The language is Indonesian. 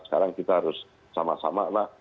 sekarang kita harus sama sama lah